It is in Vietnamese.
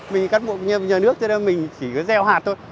mình cắt bộ nhà nước cho nên mình chỉ gieo hạt thôi